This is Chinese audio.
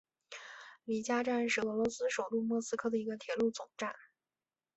里加站是俄罗斯首都莫斯科的一个铁路总站。